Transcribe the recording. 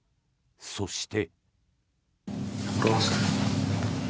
そして。